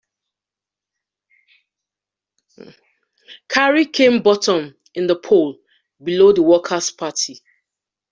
Carey came bottom in the poll, below the Workers' Party.